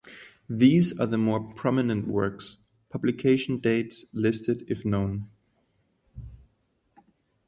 These are the more prominent works; publication dates listed if known.